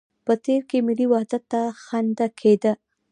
په تېر کې ملي وحدت ته خنده کېده.